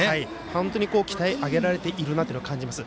本当に鍛え上げられているなと感じます。